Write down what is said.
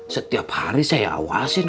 setiap hari saya awasin